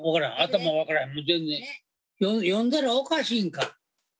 読んだらおかしいんか？